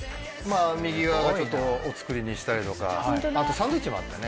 右側がちょっとお造りにしたりとかあとサンドウィッチもあったね。